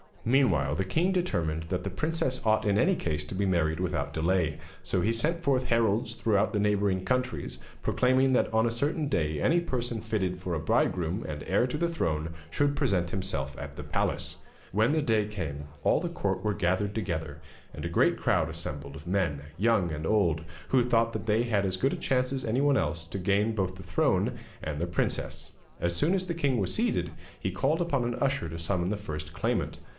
Meanwhile the king determined that the princess ought in any case to be married without delay, so he sent forth heralds throughout the neighbouring countries, proclaiming that on a certain day any person fitted for a bridegroom and heir to the throne should present himself at the palace. When the day came, all the court were gathered together, and a great crowd assembled of men, young and old, who thought that they had as good a chance as anyone else to gain both the throne and the princess. As soon as the king was seated, he called upon an usher to summon the first claimant.